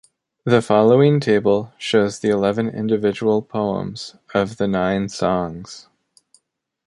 The following table shows the eleven individual poems of the "Nine Songs".